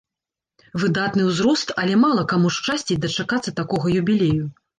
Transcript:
Выдатны ўзрост, але мала каму шчасціць дачакацца такога юбілею.